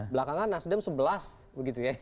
belakangan nasdem sebelas begitu ya